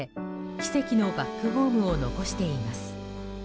「奇跡のバックホーム」を残しています。